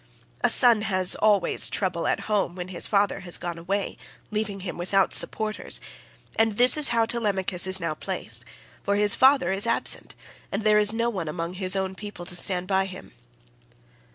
A son has always trouble at home when his father has gone away leaving him without supporters; and this is how Telemachus is now placed, for his father is absent, and there is no one among his own people to stand by him."